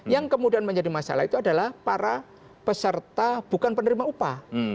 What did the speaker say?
yang kemudian menjadi masalah itu adalah para peserta bukan penerima upah